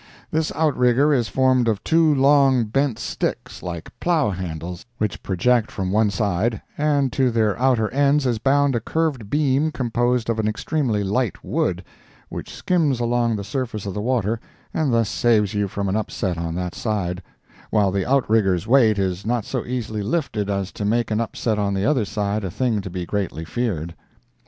This outrigger is formed of two long bent sticks, like plow handles, which project from one side, and to their outer ends is bound a curved beam composed of an extremely light wood, which skims along the surface of the water and thus saves you from an upset on that side, while the outrigger's weight is not so easily lifted as to make an upset on the other side a thing to be greatly feared.